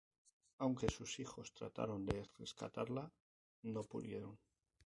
Aunque sus hijos trataron de rescatarla, no pudieron.